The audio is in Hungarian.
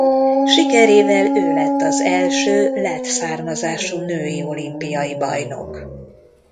Sikerével ő lett az első lett származású női olimpiai bajnok.